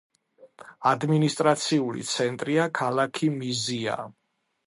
ადმინისტრაციული ცენტრია ქალაქი მიზია.